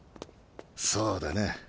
そうだな